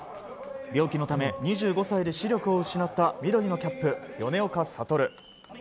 病気のため２５歳で視力を失った緑のキャップ米岡聡。